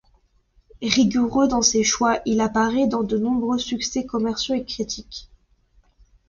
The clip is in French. Rigoureux dans ses choix, il apparaît dans de nombreux succès commerciaux et critiques.